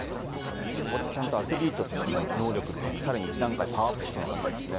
ここで、ちゃんとアスリートとしての能力がさらに一段階パワーアップしそうですね。